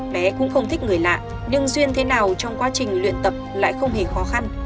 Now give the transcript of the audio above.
bé cũng không thích người lạ nhưng duyên thế nào trong quá trình luyện tập lại không hề khó khăn